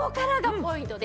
ポイントだ。